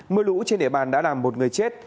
mưa lũ trên địa bàn đã làm một người chết